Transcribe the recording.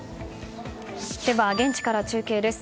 現地から中継です。